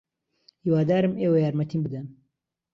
ھیوادارم ئێوە یارمەتیم بدەن.